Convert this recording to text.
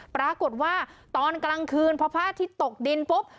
ปรากฏว่าตอนกลางคืนพอพระอาทิตย์ตกดินปุ๊บ